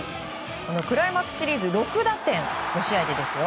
クライマックスシリーズ６打点、５試合でですよ。